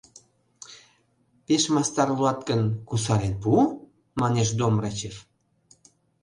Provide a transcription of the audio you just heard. «Пеш мастар улат гын, кусарен пу, — манеш Домрачев.